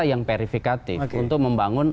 yang verifikatif untuk membangun